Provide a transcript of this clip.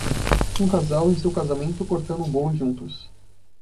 Um casal em seu casamento cortando um bolo juntos.